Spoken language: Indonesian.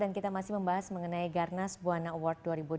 dan kita masih membahas mengenai garnas buwana award dua ribu dua puluh dua